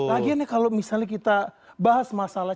lagiannya kalau misalnya kita bahas masalah